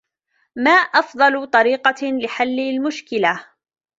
ما افضل طريقه لحل المشكله